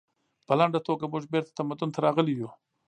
په لنډه توګه موږ بیرته تمدن ته راغلي یو